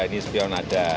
ini sepion ada